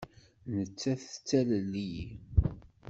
Nettat tettalel-iyi.